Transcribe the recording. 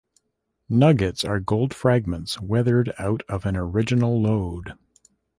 Nuggets are gold fragments weathered out of an original lode.